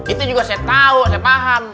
itu juga saya tahu saya paham